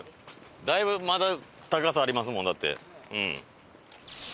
だいぶまだ高さありますもんだって。